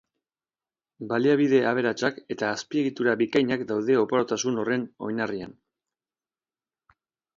Baliabide aberatsak eta azpiegitura bikainak daude oparotasun horren oinarrian.